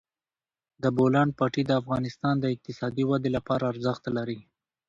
د بولان پټي د افغانستان د اقتصادي ودې لپاره ارزښت لري.